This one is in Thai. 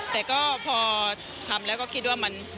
แต่ก็พอทำแล้วก็คิดว่ามัน